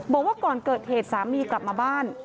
บอกว่าก่อนเกิดเหตุสามีกลับมาบ้าน